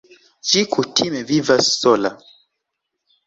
Ĝi kutime vivas sola.